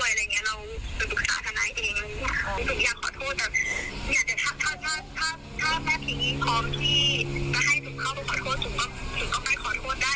ได้ถูกไปกล้ามขอโทษได้ถูกไปขอขมาได้